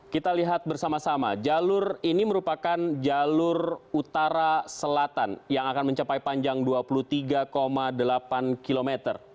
kita lihat bersama sama jalur ini merupakan jalur utara selatan yang akan mencapai panjang dua puluh tiga delapan km